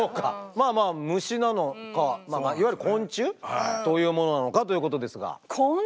まあまあ虫なのかいわゆる昆虫というものなのかということですが。